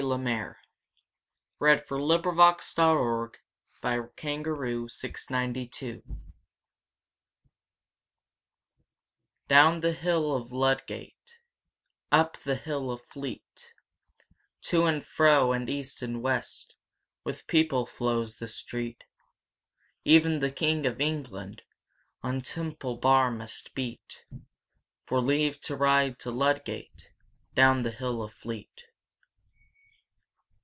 JM Embroideries & Collectibles Up And Down By Walter De La Mare Down the Hill of Ludgate, Up the Hill of Fleet, To and fro and East and West With people flows the street; Even the King of England On Temple Bar must beat For leave to ride to Ludgate Down the Hill of Fleet.